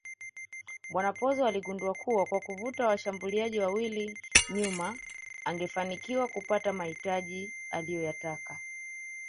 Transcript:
Bwana Pozzo aligundua kuwa kwa kuvuta washgambuliaji wawili nyuma angefanikiwa kupata mahitaji aliyoyataka